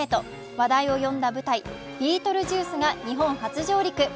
話題を呼んだ舞台「ビートルジュース」が日本初上陸。